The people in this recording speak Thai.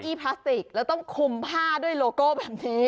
พลาสติกแล้วต้องคุมผ้าด้วยโลโก้แบบนี้